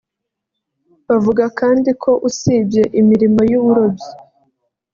Bavuga kandi ko usibye imirimo y’uburobyi